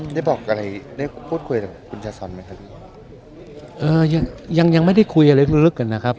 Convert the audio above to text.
ได้บอกอะไรได้พูดคุยกับคุณชาซอนไหมครับเอ่อยังยังยังไม่ได้คุยอะไรลึกกันนะครับ